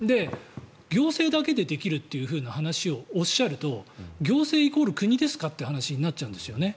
行政だけでできるという話をおっしゃると行政イコール国ですかって話になっちゃうんですよね。